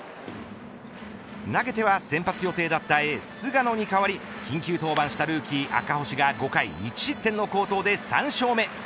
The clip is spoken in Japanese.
投げては先発予定だったエース菅野に変わり緊急登板したルーキー赤星が５回１失点の好投で３勝目。